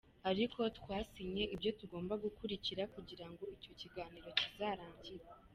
Ariko twasinye ibyo tugomba gukurikira kugira ngo icyo kiganiro kizarangire.